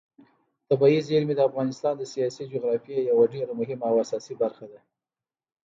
طبیعي زیرمې د افغانستان د سیاسي جغرافیې یوه ډېره مهمه او اساسي برخه ده.